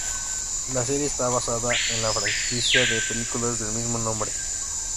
La serie está basada en la franquicias de películas del mismo nombre.